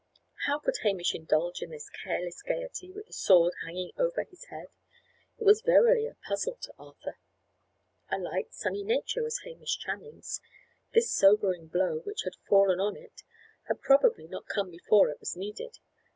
How could Hamish indulge in this careless gaiety with a sword hanging over his head? It was verily a puzzle to Arthur. A light, sunny nature was Hamish Channing's. This sobering blow which had fallen on it had probably not come before it was needed.